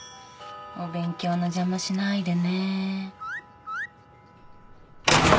お勉強の邪魔しないでね。